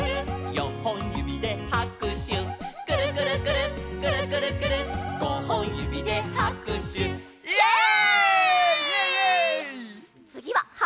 「よんほんゆびではくしゅ」「くるくるくるっくるくるくるっごほんゆびではくしゅ」イエイ！